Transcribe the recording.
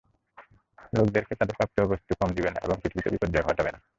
লোকদেরকে তাদের প্রাপ্ত বস্তু কম দিবে না এবং পৃথিবীতে বিপর্যয় ঘটাবে না।